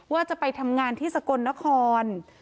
ว่าจะไปทำงานที่สกลนคร